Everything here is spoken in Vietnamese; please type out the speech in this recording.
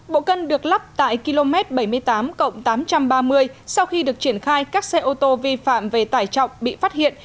bộ cân được lắp tại km bảy mươi tám tám trăm ba mươi sau khi được triển khai các xe ô tô vi phạm về tải trọng bị phát hiện